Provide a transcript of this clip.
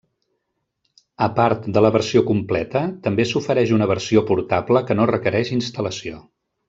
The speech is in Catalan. A part de la versió completa també s'ofereix una versió portable que no requereix instal·lació.